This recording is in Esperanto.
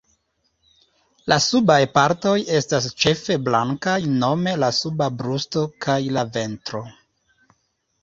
La subaj partoj estas ĉefe blankaj nome la suba brusto kaj la ventro.